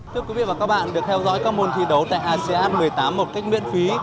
thưa quý vị và các bạn được theo dõi các môn thi đấu tại asean một mươi tám một cách miễn phí